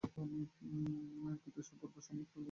মৃত্যু-পূর্ব সময়কাল পর্যন্ত সদস্যরূপে এ দায়িত্বে ছিলেন।